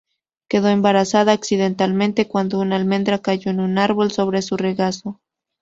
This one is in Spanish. Quedó embarazada accidentalmente cuando una almendra cayó de un árbol sobre su regazo.